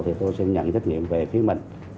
thì tôi sẽ nhận trách nhiệm về phía mình